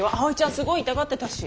すごい痛がってたし。